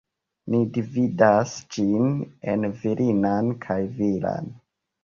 Ni dividas ĝin en virinan kaj viran.